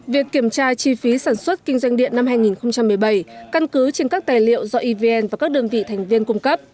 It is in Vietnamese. việc kiểm tra chi phí sản xuất kinh doanh điện năm hai nghìn một mươi bảy căn cứ trên các tài liệu do evn và các đơn vị thành viên cung cấp